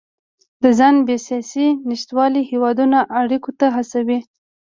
د ځان بسیاینې نشتوالی هیوادونه اړیکو ته هڅوي